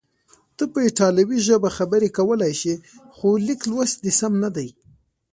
ته په ایټالوي ژبه خبرې کولای شې، خو لیک لوست دې سم نه دی.